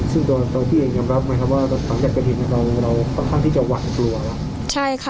ซึ่งตัวเธอพี่ยังยังรับไหมครับว่าหลังจากเกิดเหตุเราต้องที่จะหวั่นกลัว